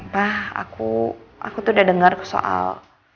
pak aku tuh udah denger soal